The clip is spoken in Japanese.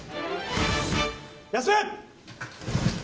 休め！